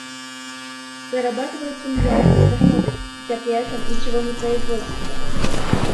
Зарабатываются миллиардные доходы, хотя при этом ничего не производится.